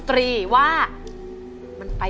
ที่บอกใจยังไง